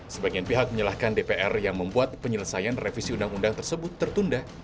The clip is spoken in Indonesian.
sebagian pihak menyalahkan dpr yang membuat penyelesaian revisi undang undang tersebut tertunda